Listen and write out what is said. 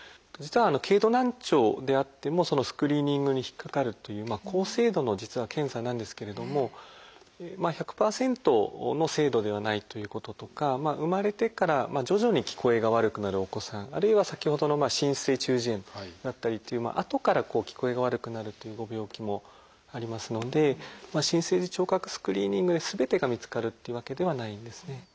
実は軽度難聴であってもそのスクリーニングに引っかかるという高精度の実は検査なんですけれども１００％の精度ではないということとか生まれてから徐々に聞こえが悪くなるお子さんあるいは先ほどの滲出性中耳炎だったりっていうあとから聞こえが悪くなるというご病気もありますので新生児聴覚スクリーニングですべてが見つかるっていうわけではないんですね。